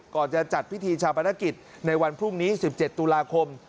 จะจัดพิธีชาปนกิจในวันพรุ่งนี้๑๗ตุลาคม